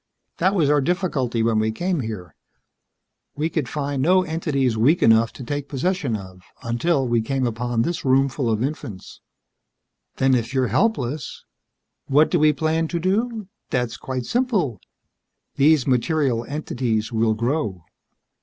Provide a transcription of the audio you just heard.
That was our difficulty when we came here. We could find no entities weak enough to take possession of until we came upon this roomful of infants." "Then, if you're helpless ..." "What do we plan to do? That's quite simple. These material entities will grow.